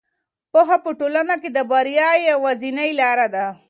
پوهه په ټولنه کې د بریا یوازینۍ لاره ده.